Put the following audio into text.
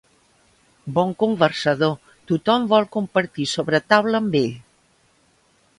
Bon conversador, tothom vol compartir sobretaula amb ell.